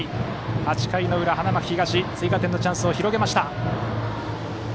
８回の裏、花巻東追加点のチャンスを広げました。